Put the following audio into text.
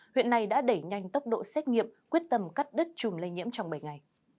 huyện này đã đẩy nhanh tốc độ xét nghiệm quyết tâm cắt đất trùm lây nhiễm trong bảy ngày